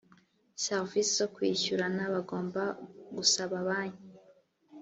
serivisi zo kwishyurana bagomba gusaba banki